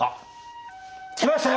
・来ましたよ！